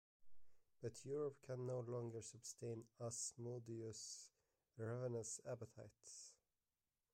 But Europe can no longer sustain Asmodeus' ravenous appetite.